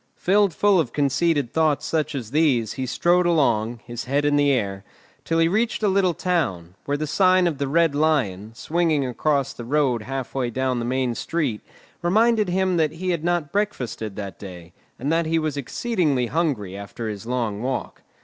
Filled full of conceited thoughts such as these he strode along, his head in the air, till he reached a little town, where the sign of "The Red Lion," swinging across the road halfway down the main street, reminded him that he had not breakfasted that day, and that he was exceedingly hungry after his long walk.